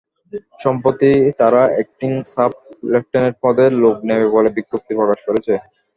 সম্প্রতি তারা acting sub lieutenant পদে লোক নেবে বলে বিজ্ঞপ্তি প্রকাশ করেছে।